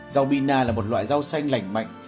rau bina là một loại rau xanh lành mạnh